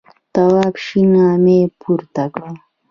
تواب شین غمی پورته کړ.